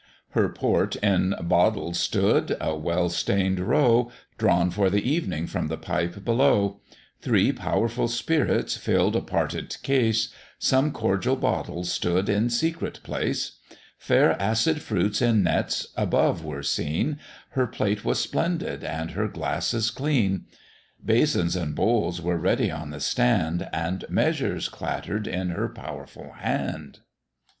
Her port in bottles stood, a well stain'd row, Drawn for the evening from the pipe below; Three powerful spirits filled a parted case, Some cordial bottles stood in secret place; Fair acid fruits in nets above were seen, Her plate was splendid, and her glasses clean; Basins and bowls were ready on the stand, And measures clatter'd in her powerful hand.